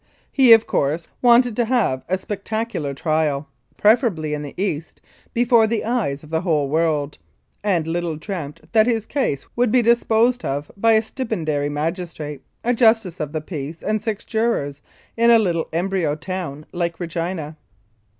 He, of course, wanted to have a spectacular trial, preferably in the East, before the eyes of the whole world, and little dreamt that his case would be disposed of by a stipendiary magistrate, a justice of the peace, and six jurors, in a little embryo town like Regina.